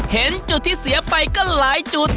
เห็นจุดที่เสียไปก็หลายจุด